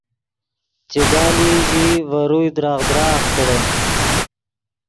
چیگالئی ژیئی ڤے روئے دراغ دراغ کڑے